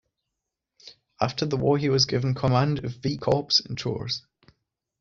After the war he was given command of V Corps in Tours.